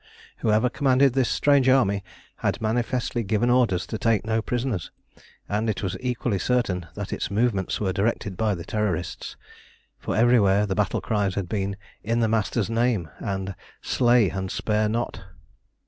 Whoever commanded this strange army had manifestly given orders to take no prisoners, and it was equally certain that its movements were directed by the Terrorists, for everywhere the battle cries had been, "In the Master's name!" and "Slay, and spare not!"